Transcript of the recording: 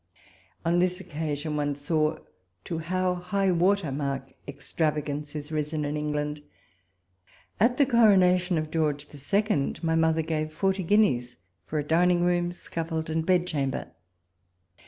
On this occasion one saw to how high water mark extravagance is risen in England. At the Coronation of George II. ray mother gave forty guineas for a dining room, scaffold, and bed chamber.